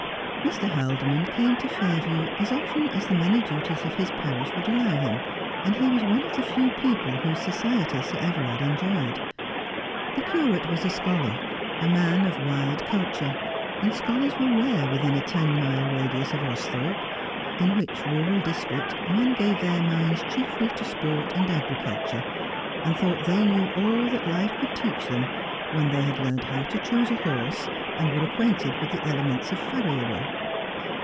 Mr. Haldimond came to Fairview as often as the many duties of his parish would allow him, and he was one of the few people whose society Sir Everard enjoyed. The curate was a scholar, a man of wide culture ; and scholars were rare within a ten mile radius of Austhorpe, in which rural district men gave their minds chiefly to sport and agriculture, and thought they knew all that life could teach them when they had learnt how to choose a horse, and were acquainted with the elements of farriery.